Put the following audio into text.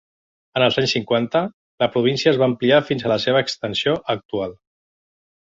En els anys cinquanta, la província es va ampliar fins a la seva extensió actual.